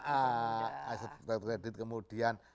akses terhadap kredit kemudian